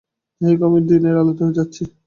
যাই হোক, আমি দিনের আলোতে যাচ্ছি।